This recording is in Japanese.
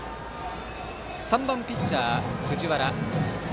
３番ピッチャー、藤原。